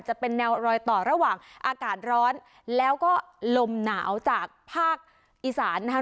จะเป็นแนวรอยต่อระหว่างอากาศร้อนแล้วก็ลมหนาวจากภาคอีสานนะคะ